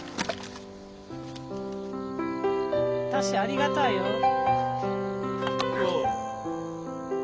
正ありがたいよ。